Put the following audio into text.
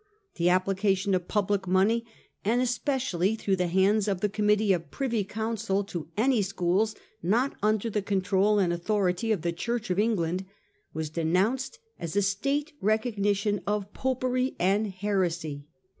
The application of public money, and especially through the hands of the Committee of Privy Council, to any schools not under the control and authority of the Church of England was denounced as a State recognition of popery and heresy.